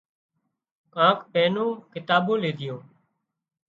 ڪانڪ پئينُون ڪتاٻُون ليڌيون